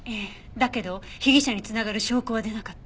だけど被疑者に繋がる証拠は出なかった。